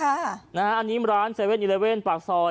อันนี้ร้าน๗๑๑ปากซอย